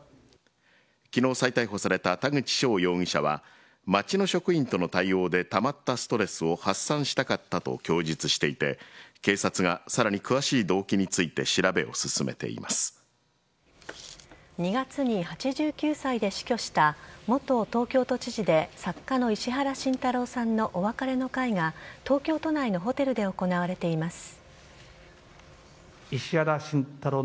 昨日再逮捕された田口翔容疑者は町の職員との対応でたまったストレスを発散したかったと供述していて警察がさらに詳しい動機について２月に８９歳で死去した元東京都知事で作家の石原慎太郎さんのお別れの会が東京都内のホテルで行われています。